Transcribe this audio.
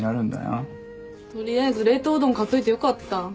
取りあえず冷凍うどん買っといてよかった。